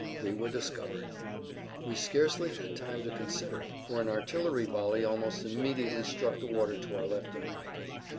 We were discovered. We scarcely had time to consider, for an artillery volley almost immediately struck the water to our left and right.